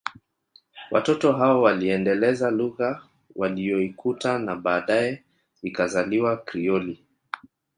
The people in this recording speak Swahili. Watoto hao waliiendeleza lugha waliyoikuta na baadaye ikazaliwa Krioli